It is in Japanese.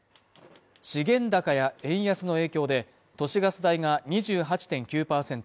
資源高や円安の影響で都市ガス代が２８．９％